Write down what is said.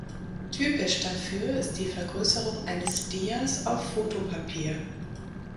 Typisch dafür ist die Vergrößerung eines Dias auf Fotopapier.